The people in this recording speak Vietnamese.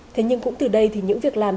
thế nhưng cũng từ đây thì những việc làm